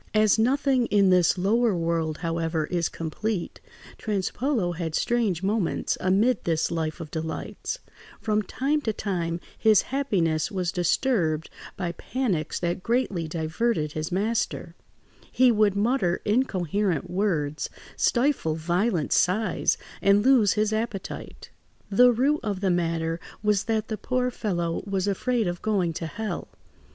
As nothing in this lower world, however, is complete, Trespolo had strange moments amid this life of delights; from time to time his happiness was disturbed by panics that greatly diverted his master; he would mutter incoherent words, stifle violent sighs, and lose his appetite. The root of the matter was that the poor fellow was afraid of going to hell.